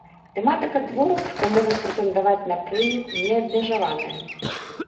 Тэматыка твораў, што могуць прэтэндаваць на прэмію, неабмежаваная.